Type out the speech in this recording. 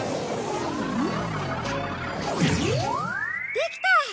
できた！